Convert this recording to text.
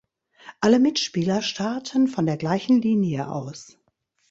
Alle Mitspieler starten von der gleichen Linie aus.